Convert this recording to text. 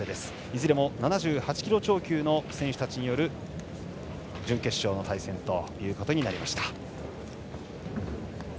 いずれも７８キロ超級の選手たちによる準決勝の対戦となりました。